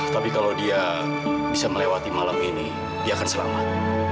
tapi kalau dia bisa melewati malam ini dia akan selamat